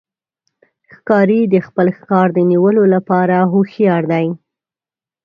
ښکاري د خپل ښکار د نیولو لپاره هوښیار دی.